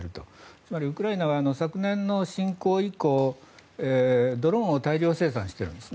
つまりウクライナは昨年の侵攻以降、ドローンを大量生産しているんです。